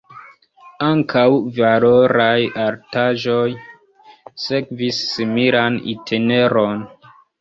Ankaŭ valoraj artaĵoj sekvis similan itineron.